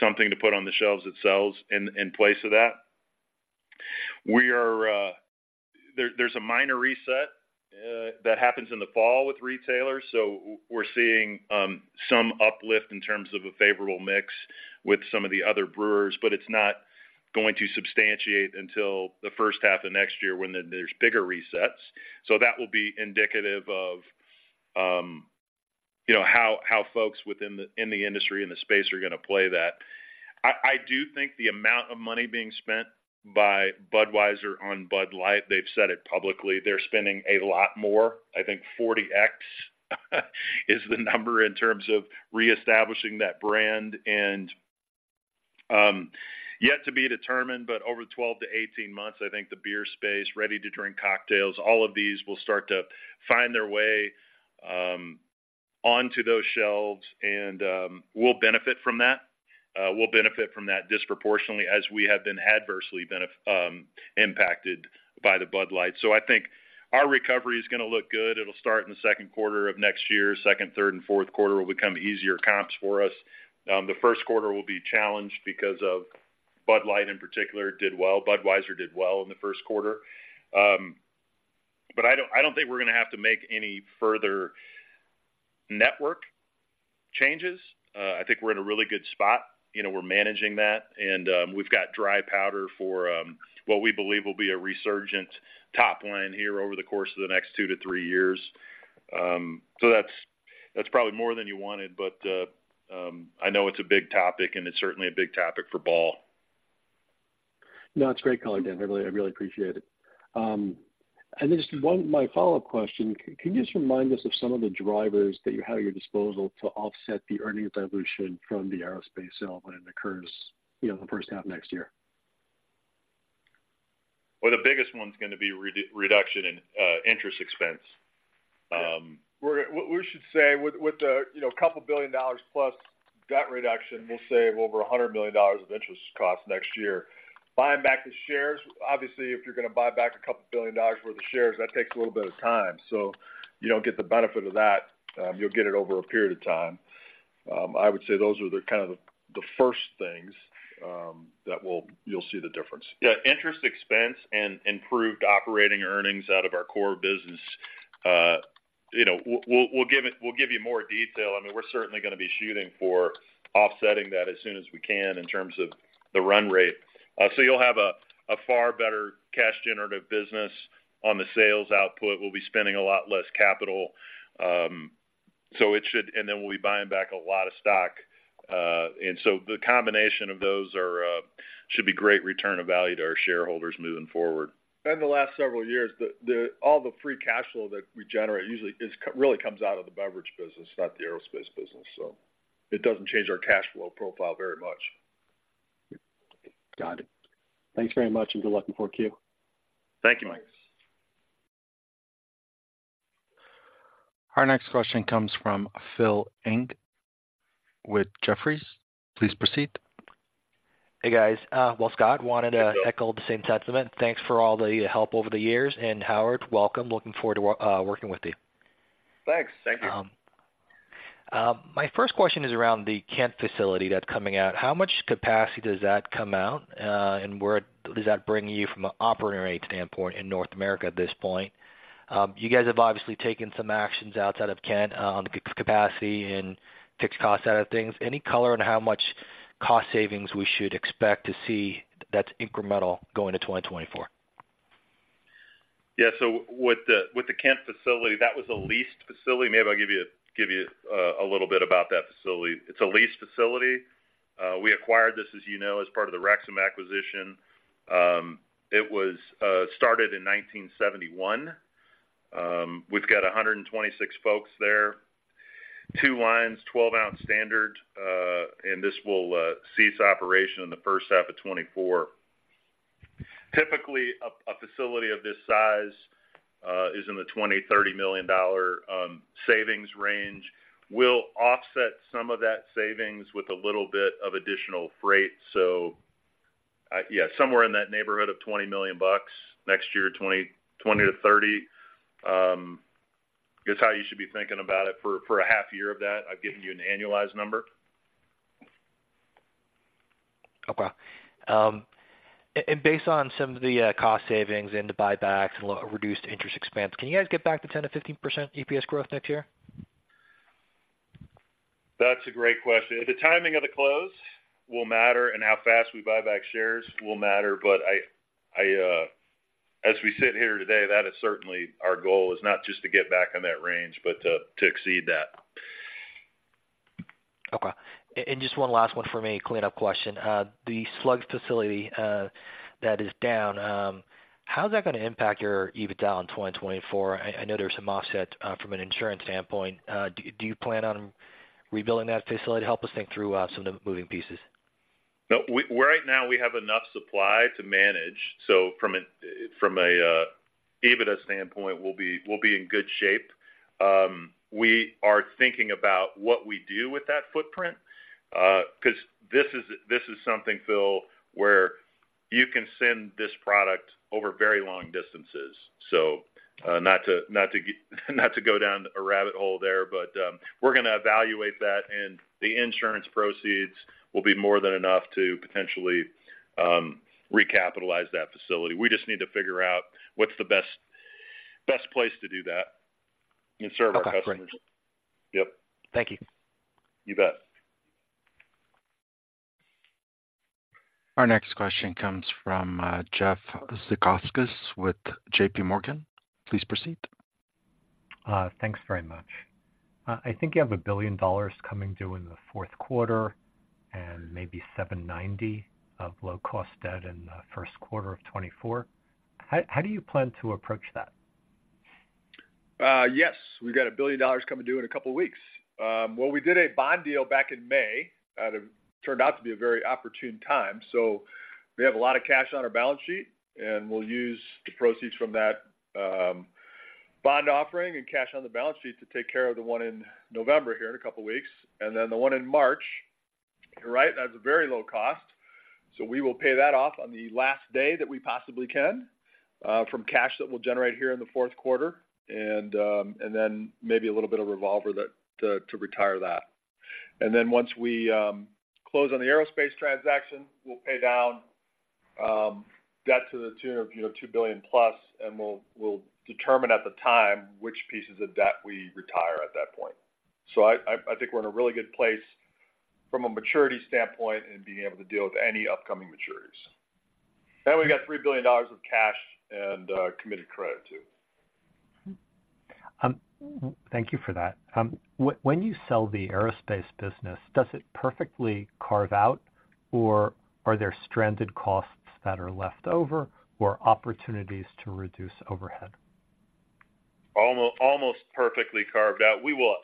something to put on the shelves that sells in place of that. There's a minor reset that happens in the fall with retailers, so we're seeing some uplift in terms of a favorable mix with some of the other brewers, but it's not going to substantiate until the first half of next year when there's bigger resets. So that will be indicative of, you know, how folks within the industry and the space are gonna play that. I do think the amount of money being spent by Budweiser on Bud Light, they've said it publicly, they're spending a lot more, I think 40x,... is the number in terms of reestablishing that brand, and yet to be determined, but over 12-18 months, I think the beer space, ready-to-drink cocktails, all of these will start to find their way onto those shelves, and we'll benefit from that. We'll benefit from that disproportionately as we have been adversely impacted by the Bud Light. So I think our recovery is gonna look good. It'll start in the second quarter of next year. Second, third, and fourth quarter will become easier comps for us. The first quarter will be challenged because of Bud Light, in particular, did well. Budweiser did well in the first quarter. But I don't, I don't think we're gonna have to make any further network changes. I think we're in a really good spot. You know, we're managing that, and we've got dry powder for what we believe will be a resurgent top line here over the course of the next two to three years. So that's probably more than you wanted, but I know it's a big topic, and it's certainly a big topic for Ball. No, it's great color, Dan. I really, I really appreciate it. And then just one, my follow-up question: Can you just remind us of some of the drivers that you have at your disposal to offset the earnings dilution from the aerospace sale when it occurs, you know, in the first half of next year? Well, the biggest one's gonna be reduction in interest expense. We should say, with the, you know, couple billion dollars plus debt reduction, we'll save over $100 million of interest costs next year. Buying back the shares, obviously, if you're gonna buy back a couple billion dollars worth of shares, that takes a little bit of time, so you don't get the benefit of that. You'll get it over a period of time. I would say those are the kind of the first things that you'll see the difference. Yeah, interest expense and improved operating earnings out of our core business. You know, we'll give you more detail. I mean, we're certainly gonna be shooting for offsetting that as soon as we can in terms of the run rate. So you'll have a far better cash generative business on the sales output. We'll be spending a lot less capital, so it should. And then we'll be buying back a lot of stock. And so the combination of those are should be great return of value to our shareholders moving forward. In the last several years, all the free cash flow that we generate usually really comes out of the beverage business, not the aerospace business, so it doesn't change our cash flow profile very much. Got it. Thanks very much, and good luck in 4Q. Thank you, Mike. Our next question comes from Phil Ng with Jefferies. Please proceed. Hey, guys. Well, Scott, wanted to- Hey, Phil... echo the same sentiment. Thanks for all the help over the years, and Howard, welcome. Looking forward to working with you. Thanks. Thank you. My first question is around the Kent facility that's coming out. How much capacity does that come out, and where does that bring you from an operating standpoint in North America at this point? You guys have obviously taken some actions outside of Kent, on the capacity and fixed cost side of things. Any color on how much cost savings we should expect to see that's incremental going to 2024? Yeah, so with the, with the Kent facility, that was a leased facility. Maybe I'll give you, give you a little bit about that facility. It's a leased facility. We acquired this, as you know, as part of the Rexam acquisition. It was started in 1971. We've got 126 folks there, two lines, 12-ounce standard, and this will cease operation in the first half of 2024. Typically, a facility of this size is in the $20 million-$30 million savings range. We'll offset some of that savings with a little bit of additional freight. So, yeah, somewhere in that neighborhood of $20 million bucks. Next year, $20 million-$30 million is how you should be thinking about it. For a half year of that, I've given you an annualized number. Okay. And based on some of the cost savings and the buybacks and reduced interest expense, can you guys get back to 10%-15% EPS growth next year? That's a great question. The timing of the close will matter, and how fast we buy back shares will matter, but I, as we sit here today, that is certainly our goal, is not just to get back on that range, but to exceed that. Okay. And just one last one for me, a cleanup question. The slugs facility that is down, how's that gonna impact your EBITDA in 2024? I know there's some offset from an insurance standpoint. Do you plan on rebuilding that facility? Help us think through some of the moving pieces. No, we right now, we have enough supply to manage, so from an, from a EBITDA standpoint, we'll be, we'll be in good shape. We are thinking about what we do with that footprint, 'cause this is, this is something, Phil, where you can send this product over very long distances. So, not to, not to, not to go down a rabbit hole there, but, we're gonna evaluate that, and the insurance proceeds will be more than enough to potentially recapitalize that facility. We just need to figure out what's the best, best place to do that and serve our customers. Okay, great. Yep. Thank you. You bet. Our next question comes from Jeff Zekauskas with JPMorgan. Please proceed. Thanks very much. I think you have $1 billion coming due in the fourth quarter and maybe $790 of low-cost debt in the first quarter of 2024. How do you plan to approach that? Yes, we've got $1 billion coming due in a couple of weeks. Well, we did a bond deal back in May, turned out to be a very opportune time. So we have a lot of cash on our balance sheet, and we'll use the proceeds from that bond offering and cash on the balance sheet to take care of the one in November here in a couple of weeks, and then the one in March, right? That's a very low cost. So we will pay that off on the last day that we possibly can from cash that we'll generate here in the fourth quarter, and then maybe a little bit of revolver that to retire that. Then once we close on the aerospace transaction, we'll pay down debt to the tune of, you know, $2+ billion, and we'll determine at the time which pieces of debt we retire at that point. So I think we're in a really good place from a maturity standpoint in being able to deal with any upcoming maturities. Then we got $3 billion of cash and committed credit, too. Thank you for that. When you sell the aerospace business, does it perfectly carve out, or are there stranded costs that are left over or opportunities to reduce overhead? Almost perfectly carved out. We will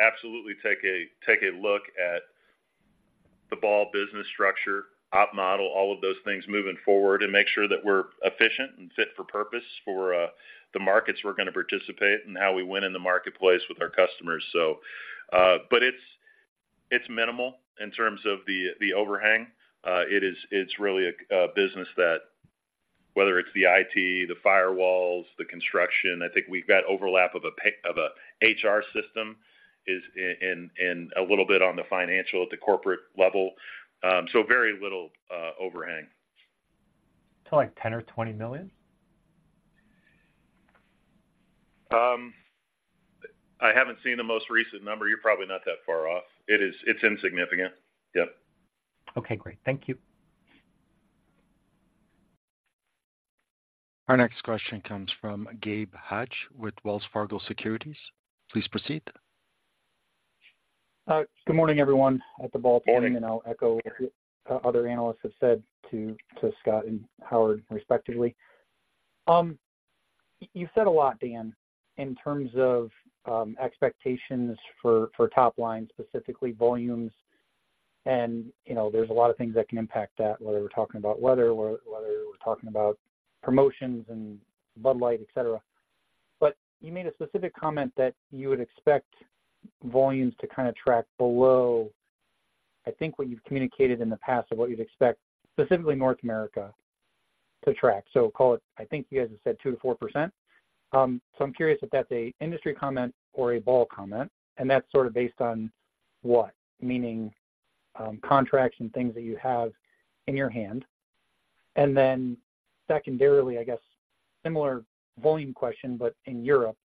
absolutely take a look at the Ball business structure, op model, all of those things moving forward, and make sure that we're efficient and fit for purpose for the markets we're going to participate and how we win in the marketplace with our customers. So, but it's minimal in terms of the overhang. It is, it's really a business that whether it's the IT, the firewalls, the construction, I think we've got overlap of a HR system, is in a little bit on the financial at the corporate level. So very little overhang. Like $10 million-$20 million? I haven't seen the most recent number. You're probably not that far off. It is, it's insignificant. Yep. Okay, great. Thank you. Our next question comes from Gabe Hajde with Wells Fargo Securities. Please proceed. Good morning, everyone, at the Ball team. Morning. And I'll echo what the other analysts have said to Scott and Howard, respectively. You've said a lot, Dan, in terms of expectations for top line, specifically volumes, and, you know, there's a lot of things that can impact that, whether we're talking about weather or whether we're talking about promotions and Bud Light, et cetera. But you made a specific comment that you would expect volumes to kind of track below, I think, what you've communicated in the past of what you'd expect, specifically North America, to track. So call it, I think you guys have said 2%-4%. So I'm curious if that's an industry comment or a Ball comment, and that's sort of based on what? Meaning, contracts and things that you have in your hand. And then secondarily, I guess, similar volume question, but in Europe,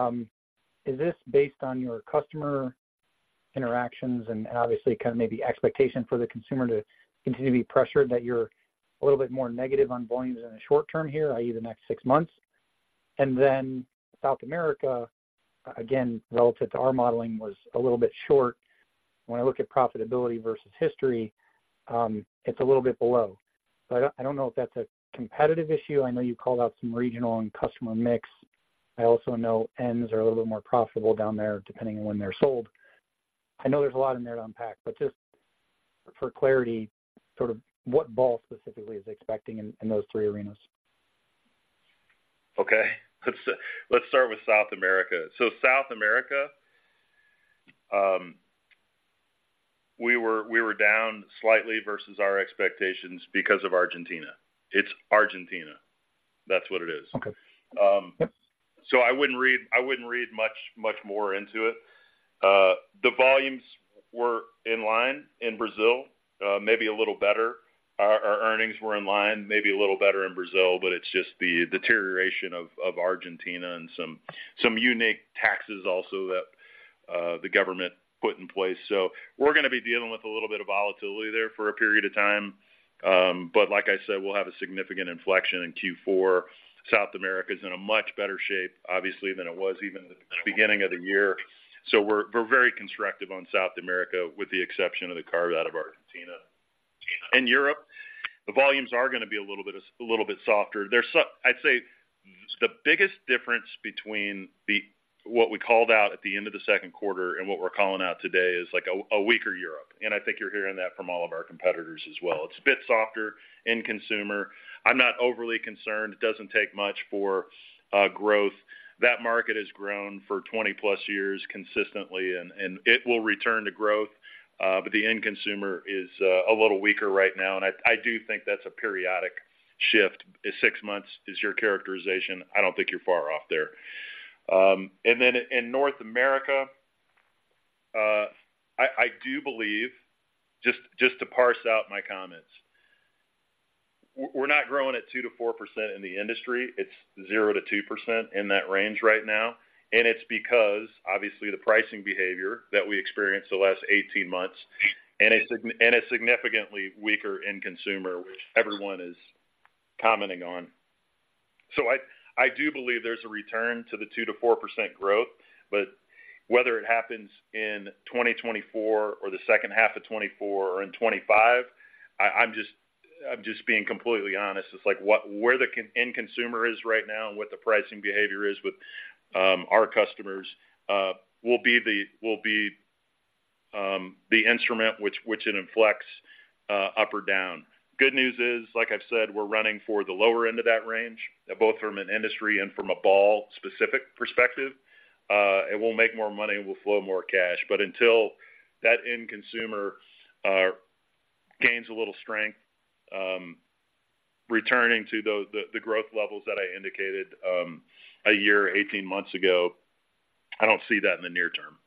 is this based on your customer interactions and obviously kind of maybe expectation for the consumer to continue to be pressured, that you're a little bit more negative on volumes in the short-term here, i.e., the next six months? And then South America, again, relative to our modeling, was a little bit short. When I look at profitability versus history, it's a little bit below. So I don't, I don't know if that's a competitive issue. I know you called out some regional and customer mix. I also know ends are a little bit more profitable down there, depending on when they're sold. I know there's a lot in there to unpack, but just for clarity, sort of what Ball specifically is expecting in, in those three arenas? Okay. Let's start with South America. So South America, we were down slightly versus our expectations because of Argentina. It's Argentina. That's what it is. Okay. So I wouldn't read, I wouldn't read much, much more into it. The volumes were in line in Brazil, maybe a little better. Our earnings were in line, maybe a little better in Brazil, but it's just the deterioration of Argentina and some unique taxes also that the government put in place. So we're gonna be dealing with a little bit of volatility there for a period of time. But like I said, we'll have a significant inflection in Q4. South America is in a much better shape, obviously, than it was even at the beginning of the year. So we're very constructive on South America, with the exception of the carve out of Argentina. In Europe, the volumes are gonna be a little bit softer. I'd say the biggest difference between the, what we called out at the end of the second quarter and what we're calling out today is, like, a weaker Europe, and I think you're hearing that from all of our competitors as well. It's a bit softer in consumer. I'm not overly concerned. It doesn't take much for growth. That market has grown for 20+ years consistently, and it will return to growth, but the end consumer is a little weaker right now, and I do think that's a periodic shift. Six months is your characterization. I don't think you're far off there. And then in North America, I do believe, just to parse out my comments, we're not growing at 2%-4% in the industry. It's 0%-2% in that range right now, and it's because, obviously, the pricing behavior that we experienced the last 18 months, and a significantly weaker end consumer, which everyone is commenting on. So I do believe there's a return to the 2%-4% growth, but whether it happens in 2024 or the second half of 2024 or in 2025, I'm just being completely honest. It's like, what the end consumer is right now and what the pricing behavior is with our customers will be the instrument which it inflects up or down. Good news is, like I've said, we're running for the lower end of that range, both from an industry and from a Ball specific perspective. And we'll make more money and we'll flow more cash. But until that end consumer gains a little strength, returning to the growth levels that I indicated a year, 18 months ago, I don't see that in the near-term.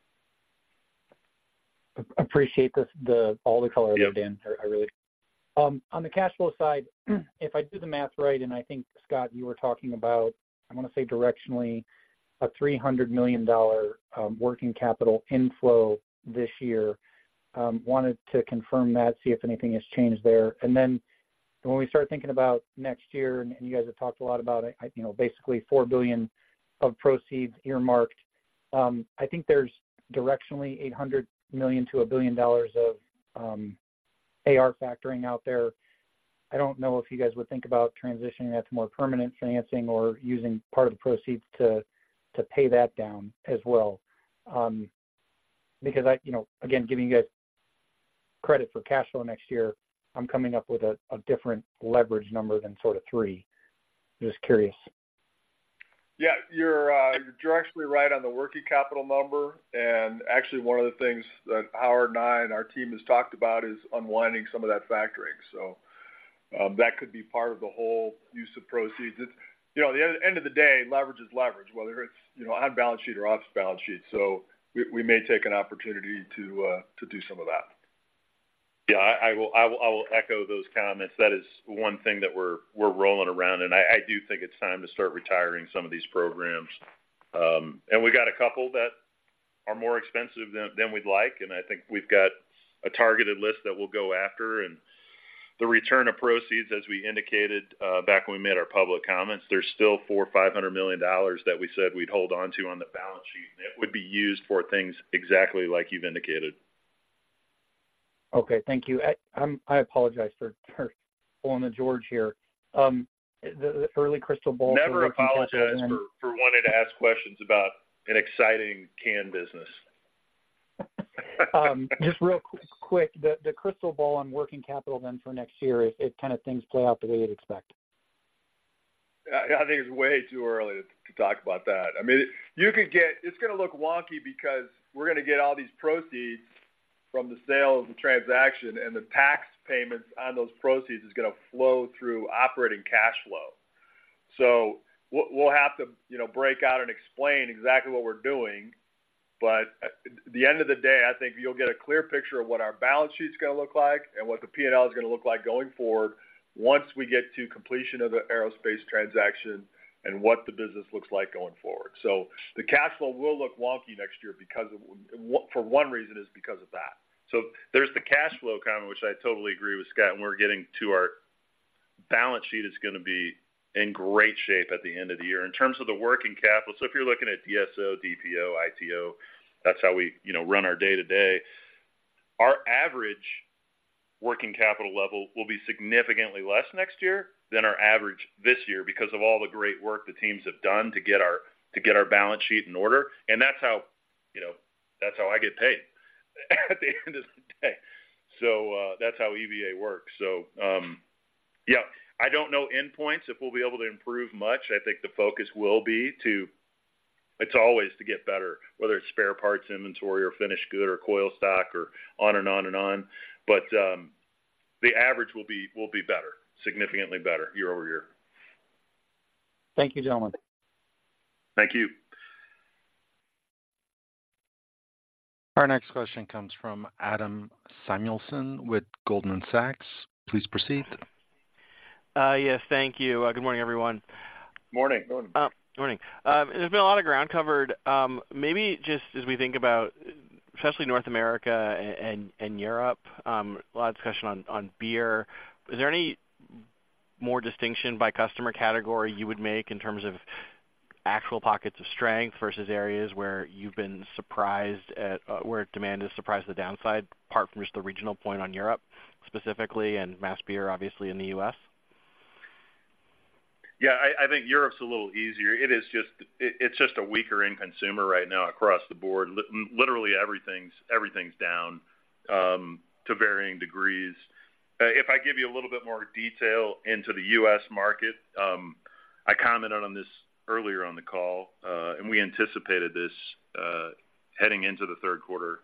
Appreciate all the color, Dan. Yeah. On the cash flow side, if I do the math right, and I think, Scott, you were talking about, I want to say directionally, a $300 million working capital inflow this year. Wanted to confirm that, see if anything has changed there. And then when we start thinking about next year, and you guys have talked a lot about, you know, basically $4 billion of proceeds earmarked. I think there's directionally $800 million-$1 billion of AR factoring out there. I don't know if you guys would think about transitioning that to more permanent financing or using part of the proceeds to pay that down as well. Because I, you know, again, giving you guys credit for cash flow next year, I'm coming up with a different leverage number than sort of 3x. Just curious. Yeah, you're actually right on the working capital number. Actually, one of the things that Howard and I, and our team has talked about is unwinding some of that factoring. That could be part of the whole use of proceeds. It's, you know, at the end of the day, leverage is leverage, whether it's, you know, on balance sheet or off balance sheet. So we may take an opportunity to to do some of that. Yeah, I will, I will, I will echo those comments. That is one thing that we're, we're rolling around, and I, I do think it's time to start retiring some of these programs. And we got a couple that are more expensive than, than we'd like, and I think we've got a targeted list that we'll go after. And the return of proceeds, as we indicated, back when we made our public comments, there's still $400 million-$500 million that we said we'd hold on to on the balance sheet, and it would be used for things exactly like you've indicated. Okay, thank you. I apologize for pulling the George here. The early crystal ball- Never apologize for wanting to ask questions about an exciting can business. Just real quick, the crystal ball on working capital then for next year, if kind of things play out the way you'd expect? I think it's way too early to talk about that. I mean, you could get, it's gonna look wonky because we're gonna get all these proceeds from the sale of the transaction, and the tax payments on those proceeds is gonna flow through operating cash flow. So we'll have to, you know, break out and explain exactly what we're doing. But at the end of the day, I think you'll get a clear picture of what our balance sheet is gonna look like and what the P&L is gonna look like going forward, once we get to completion of the aerospace transaction and what the business looks like going forward. So the cash flow will look wonky next year, because of, for one reason, is because of that. So there's the cash flow comment, which I totally agree with Scott, and we're getting to our balance sheet is gonna be in great shape at the end of the year. In terms of the working capital, so if you're looking at DSO, DPO, ITO, that's how we, you know, run our day-to-day. Our average working capital level will be significantly less next year than our average this year because of all the great work the teams have done to get our balance sheet in order. And that's how, you know, that's how I get paid at the end of the day. So, that's how EVA works. So, yeah, I don't know endpoints, if we'll be able to improve much. I think the focus will be to... It's always to get better, whether it's spare parts, inventory, or finished good, or coil stock, or on and on and on. But, the average will be, will be better, significantly better year-over-year. Thank you, gentlemen. Thank you. Our next question comes from Adam Samuelson with Goldman Sachs. Please proceed. Yes, thank you. Good morning, everyone. Morning. Morning. There's been a lot of ground covered. Maybe just as we think about, especially North America and Europe, a lot of discussion on beer. Is there any more distinction by customer category you would make in terms of actual pockets of strength versus areas where you've been surprised at where demand has surprised the downside, apart from just the regional point on Europe specifically and mass beer, obviously, in the U.S.? Yeah, I think Europe's a little easier. It is just a weaker end consumer right now across the board. Literally, everything's down to varying degrees. If I give you a little bit more detail into the U.S. market, I commented on this earlier on the call, and we anticipated this heading into the third quarter.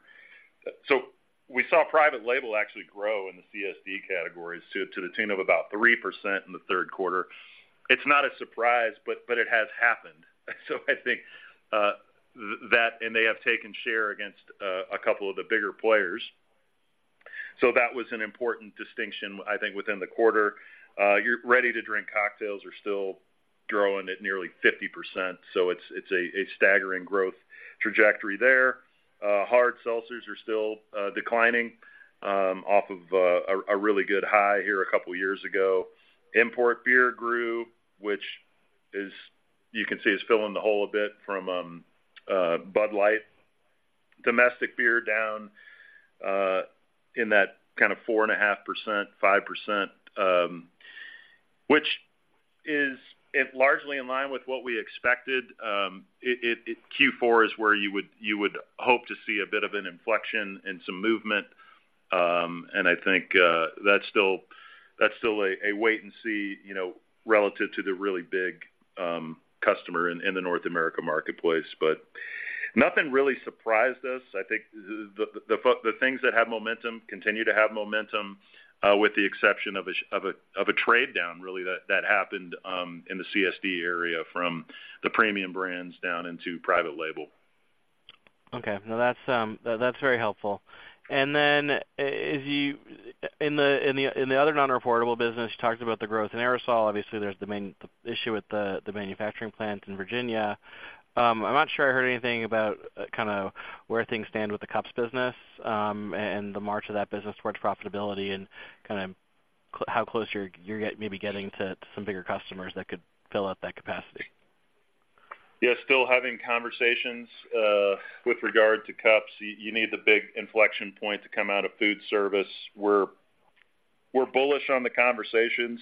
So we saw private label actually grow in the CSD categories to the tune of about 3% in the third quarter. It's not a surprise, but it has happened. So I think that, and they have taken share against a couple of the bigger players. So that was an important distinction, I think, within the quarter. Your ready to drink cocktails are still growing at nearly 50%, so it's a staggering growth trajectory there. Hard seltzers are still declining off of a really good high here a couple years ago. Import beer grew, which is, you can see, is filling the hole a bit from Bud Light. Domestic beer down in that kind of 4.5%-5%, which is, it largely in line with what we expected. It, Q4 is where you would hope to see a bit of an inflection and some movement. And I think that's still a wait and see, you know, relative to the really big customer in the North America marketplace. But nothing really surprised us. I think the things that have momentum continue to have momentum, with the exception of a trade-down, really, that happened in the CSD area, from the premium brands down into private label. Okay. No, that's, that's very helpful. And then as you in the other non-reportable business, you talked about the growth in aerosol. Obviously, there's the main issue with the manufacturing plant in Virginia. I'm not sure I heard anything about kind of where things stand with the cups business, and the march of that business towards profitability, and kind of how close you're maybe getting to some bigger customers that could fill up that capacity. Yeah, still having conversations with regard to cups. You need the big inflection point to come out of food service. We're bullish on the conversations,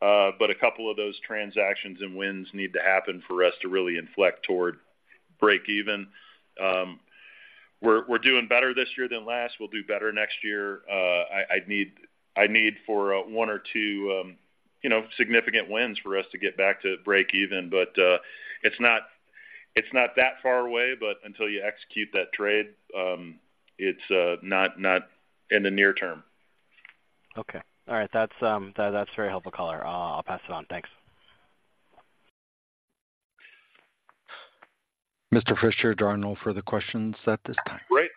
but a couple of those transactions and wins need to happen for us to really inflect toward break even. We're doing better this year than last. We'll do better next year. I'd need one or two, you know, significant wins for us to get back to break even. But it's not that far away, but until you execute that trade, it's not in the near-term. Okay. All right. That's, that's very helpful, caller. I'll pass it on. Thanks. Mr. Fisher, there are no further questions at this time. Great.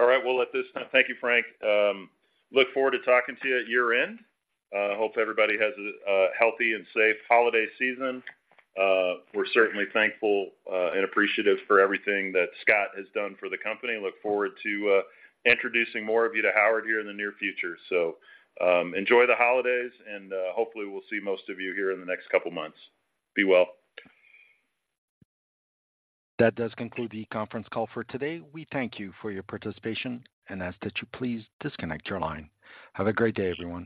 All right, well, at this time... Thank you, Frank. Look forward to talking to you at year-end. Hope everybody has a healthy and safe holiday season. We're certainly thankful and appreciative for everything that Scott has done for the company. Look forward to introducing more of you to Howard here in the near future. So, enjoy the holidays, and hopefully we'll see most of you here in the next couple of months. Be well. That does conclude the conference call for today. We thank you for your participation and ask that you please disconnect your line. Have a great day, everyone.